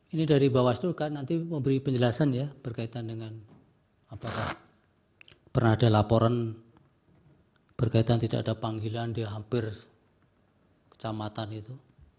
ini dari bawaslu kan nanti memberi penjelasan ya berkaitan dengan apakah pernah ada laporan berkaitan tidak ada panggilan di hampir kecamatan itu